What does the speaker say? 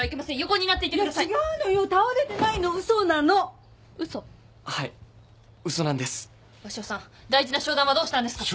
鷲尾さん大事な商談はどうしたんですか？